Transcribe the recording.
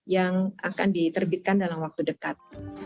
yang akan diterbitkan dalam waktu dekat